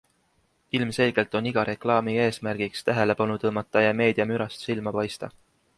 Ilmselgelt on iga reklaami eesmärgiks tähelepanu tõmmata ja meediamürast silma paista.